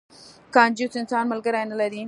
کنجوس انسان، ملګری نه لري.